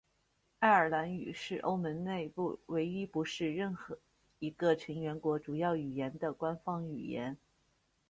爱尔兰语是欧盟内部唯一不是任何一个成员国主要语言的官方语言。